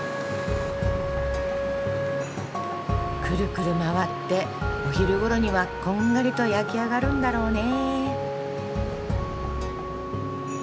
くるくる回ってお昼ごろにはこんがりと焼き上がるんだろうね。